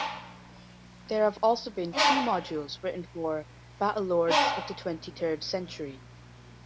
There have also been two modules written for "Battlelords of the Twenty-Third century".